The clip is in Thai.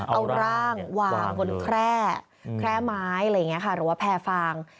เอาร่างวางบนแคร่ไม้หรือแพร่ฟาง